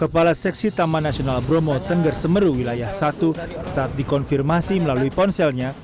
kepala seksi taman nasional bromo tengger semeru wilayah satu saat dikonfirmasi melalui ponselnya